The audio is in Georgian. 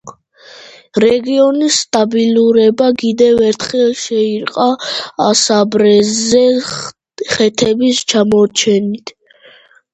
რეგიონის სტაბილურობა კიდევ ერთხელ შეირყა ასპარეზზე ხეთების გამოჩენით.